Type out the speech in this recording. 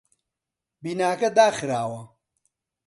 بیناکە داخراوە.